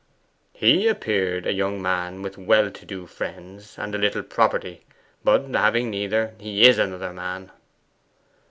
'He appeared a young man with well to do friends, and a little property; but having neither, he is another man.